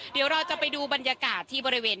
เดี๋ยวเราจะไปดูบรรยากาศที่บริเวณ